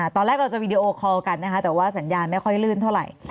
ตอนแรกเราจะวีดีโอคอลกันนะคะแต่ว่าสัญญาณไม่ค่อยลื่นเท่าไหร่